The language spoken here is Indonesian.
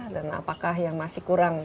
dan apakah yang masih kurang